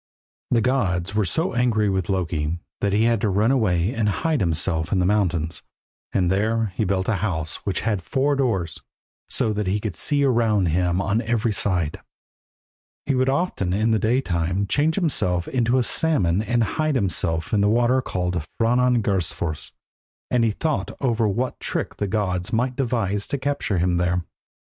The gods were so angry with Loki that he had to run away and hide himself in the mountains, and there he built a house which had four doors, so that he could see around him on every side. He would often in the day time change himself into a salmon and hide in the water called Franangursfors, and he thought over what trick the gods might devise to capture him there.